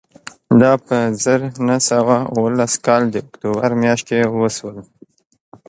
دا په زر نه سوه اوولس کال د اکتوبر میاشت کې وشول